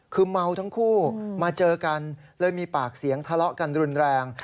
คือเมาทั้งคู่มาเจอกันเลยมีปากเสียงทะเลาะกันรุนแรง